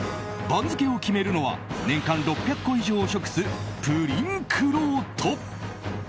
番付を決めるのは年間６００個以上を食すプリンくろうと。